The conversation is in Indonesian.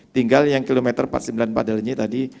tinggal yang km empat puluh sembilan padalnyi tadi